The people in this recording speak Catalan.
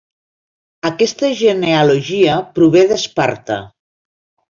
Aquesta genealogia prové d'Esparta.